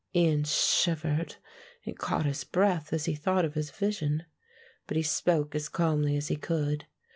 Ian shivered and caught his breath as he thought of his vision, but he spoke as calmly as he could.